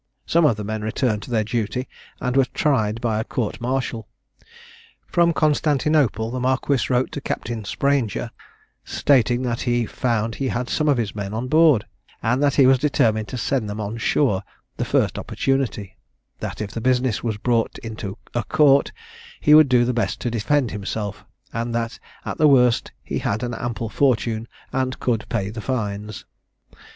Some of the men returned to their duty, and were tried by a court martial. From Constantinople the marquis wrote to Captain Sprainger, stating that he found he had some of his men on board, and that he was determined to send them on shore the first opportunity; that if the business was brought into a court, he would do the best to defend himself; and that, at the worst, he had an ample fortune, and could pay the fines.